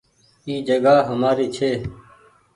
اي جگآ همآري ڇي۔